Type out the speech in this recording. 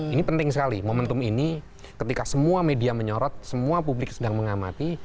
ini penting sekali momentum ini ketika semua media menyorot semua publik sedang mengamati